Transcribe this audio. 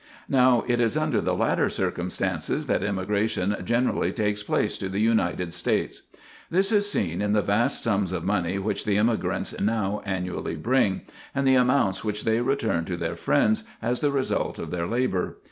Now, it is under the latter circumstances that emigration generally takes place to the United States. This is seen in the vast sums of money which the emigrants now annually bring, and the amounts which they return to their friends as the result of their labor.